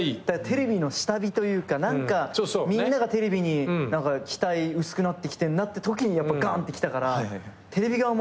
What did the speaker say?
テレビの下火というか何かみんながテレビに期待薄くなってきてるなってときにガンってきたからテレビ側もおっいけるかも！